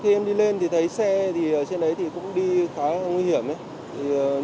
em thì thấy xe thì ở trên đấy thì cũng đi khá nguy hiểm đấy